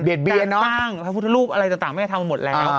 การสร้างภรรพุทธรูปอะไรต่างแม่ทำออกหมดแล้ว